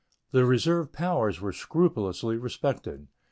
The reserved powers were scrupulously respected.